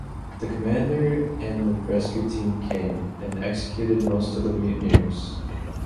The commander and the rescue team came, and executed most of the mutineers.